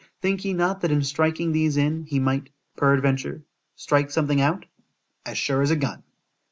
——Think ye not that in striking these in,—he might, per adventure, strike something out? as sure as a gun.